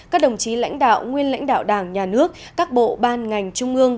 các đồng chí lãnh đạo nguyên lãnh đạo đảng nhà nước các bộ ban ngành trung ương